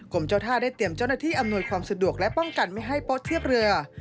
เจ้าท่าได้เตรียมเจ้าหน้าที่อำนวยความสะดวกและป้องกันไม่ให้โป๊เทียบเรือ